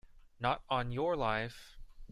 Not on your life!